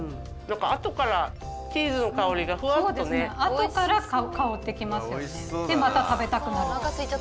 後から香ってきますよね。